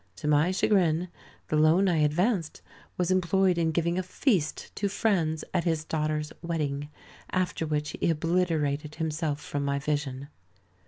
To my chagrin, the loan I advanced was employed in giving a feast to friends at his daughter's wedding, after which he obliterated himself from my vision.